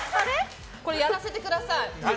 これ、やらせてください！